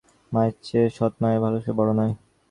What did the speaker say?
একদিন বোঝবার সময় আসবে, মায়ের চেয়ে সৎমায়ের ভালোবাসা বড়ো নয়।